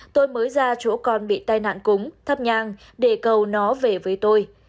tôi mới ra chỗ con bị tai nạn cúng thắp nhang để cầu nó về với tôi